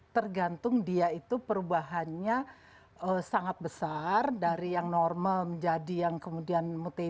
tergantung dia itu perubahannya sangat besar dari yang normal menjadi yang kemudian